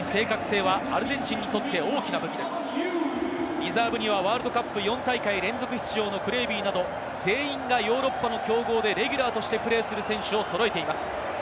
リザーブにはワールドカップ４大会連続出場のクレービーなど全員がヨーロッパの強豪でレギュラーとしてプレーする選手を揃えています。